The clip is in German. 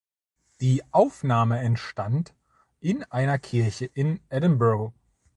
Die Aufnahme entstand in einer Kirche in Edinburgh.